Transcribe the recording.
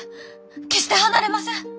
決して離れません！